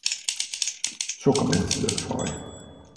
Sok a bennszülött faj.